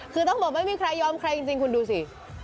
คือต้องบอกไม่มีใครยอมใครจริงคุณดูสิ